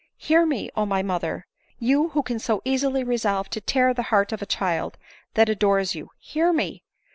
Hear me, O my mother ! You, who can so easily resolve to tear the heart of a child that adores you, hear me